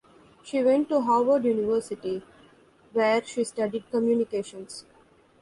She went to Howard University, where she studied communications.